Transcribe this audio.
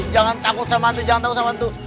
jangan takut sama hantu jangan tahu sama hantu